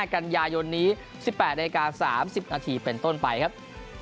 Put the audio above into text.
กันยายนนี้๑๘นาที๓๐นาทีเป็นต้นไปครับ